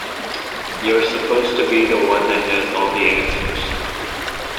You're supposed to be the one that has all the answers.